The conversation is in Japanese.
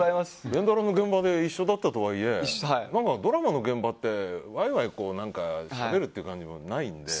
連ドラの現場で一緒だったとはいえドラマの現場ってワイワイしゃべる感じもないので。